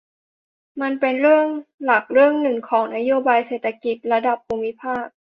มันเป็นเรื่องหลักเรื่องนึงของนโยบายเศรษฐกิจระดับภูมิภาค